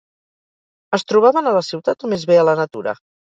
Es trobaven a la ciutat o més bé a la natura?